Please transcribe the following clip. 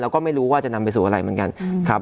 แล้วก็ไม่รู้ว่าจะนำไปสู่อะไรเหมือนกัน